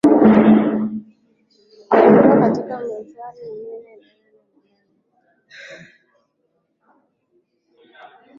kujiondoa katika Manchuria na Korea na kukubali maeneo haya mawili kuwa chini ya athira